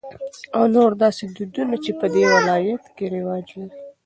او نور داسې دودنه چې په د ولايت کې رواج لري.